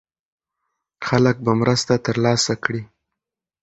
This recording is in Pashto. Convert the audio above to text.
خلک به مرسته ترلاسه کړي.